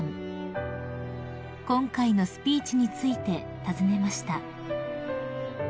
［今回のスピーチについて尋ねました］